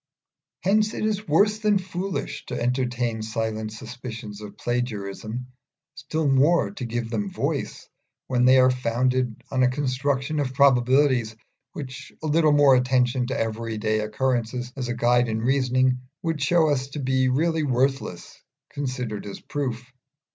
Hence it is worse than foolish to entertain silent suspicions of plagiarism, still more to give them voice, when they are founded on a construction of probabilities which a little more attention to everyday occurrences as a guide in reasoning would show us to be really worthless, considered as proof.